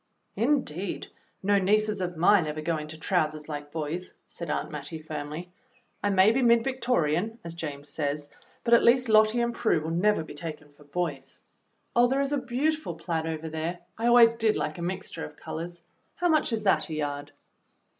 "Indeed, no nieces of mine ever go into trousers like boys," said Aunt Mattie firmly. "I may be mid Victorian, as James says, but at least Lottie and Prue will never be taken for boys. Oh, there is a beautiful plaid over there. I always did like a mixture of colors. How much is that a yard.'